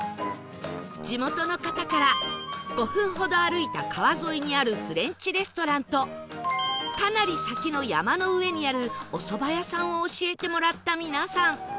地元の方から５分ほど歩いた川沿いにあるフレンチレストランとかなり先の山の上にあるお蕎麦屋さんを教えてもらった皆さん